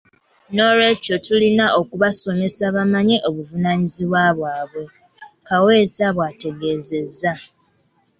Noolwekyo tulina okubasomesa bamanye obuvunaanyizibwa bwabwe.” Kaweesa bw'ategeezezza.